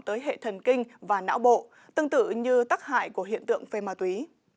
tới hệ thần kinh và não bộ tương tự như tắc hại của hiện tượng phê ma túy